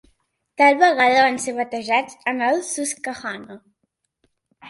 Tal vegada van ser batejats en el Susquehanna.